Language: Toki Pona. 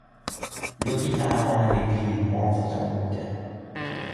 lukin la, ona li pilin monsuta mute.